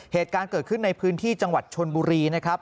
เหตุการณ์เกิดขึ้นในพื้นที่จังหวัดชนบุรีนะครับ